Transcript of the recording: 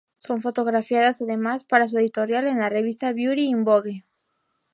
Son fotografiadas además, para su editorial en la revista "Beauty in Vogue".